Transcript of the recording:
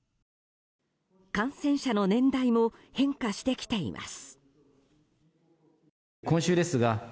感染者の年代も変化してきています。